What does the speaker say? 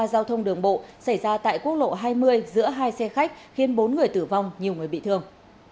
giao thông đường bộ xảy ra tại quốc lộ hai mươi giữa hai xe khách khiến bốn người tử vong nhiều người bị thương